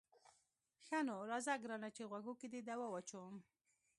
ښه نو راځه ګرانه چې غوږو کې دې دوا واچوم.